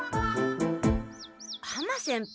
浜先輩